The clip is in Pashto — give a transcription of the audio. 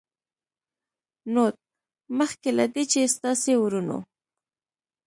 نوټ: مخکې له دې چې ستاسې وروڼو